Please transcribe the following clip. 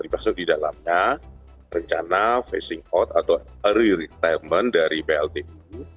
maksudnya di dalamnya rencana phasing out atau re retirement dari pltu